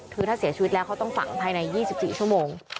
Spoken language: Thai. คือถ้าเสียชีวิตแล้วเขาต้องฝังภายใน๒๔ชั่วโมง